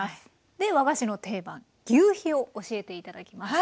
で和菓子の定番ぎゅうひを教えて頂きます。